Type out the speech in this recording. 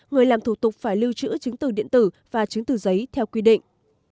người làm thủ tục phải lưu trữ chứng tử điện tử và chứng tử giấy theo quy định